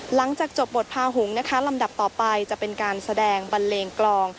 หลังจากจบบทพาหุงนะคะลำดับต่อไปจะเป็นการแสดงบันเลงกลอง